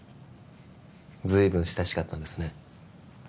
ずいぶん親しかったんですね